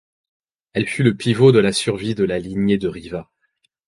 Elle fut le pivot de la survie de la lignée de Riva.